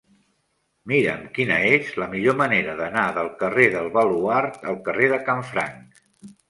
Mira'm quina és la millor manera d'anar del carrer del Baluard al carrer de Canfranc.